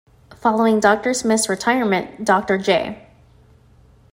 Following Doctor Smith's retirement, Doctor J.